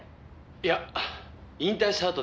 「いや引退したあとです。